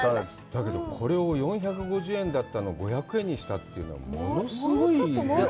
だけど、これを４５０円だったのを５００円にしたって、すごい。